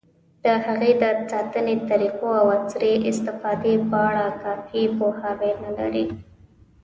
د هغې د ساتنې طریقو، او عصري استفادې په اړه کافي پوهاوی نه لري.